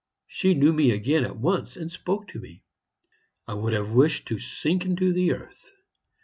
She knew me again at once, and spoke to me. I would have wished to sink into the earth.